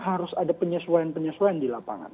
harus ada penyesuaian penyesuaian di lapangan